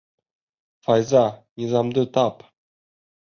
Файза, Низамды тап!